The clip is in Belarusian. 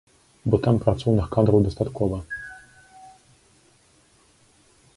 Бо там працоўных кадраў дастаткова.